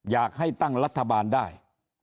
อยากให้ตั้งรัฐบาลได้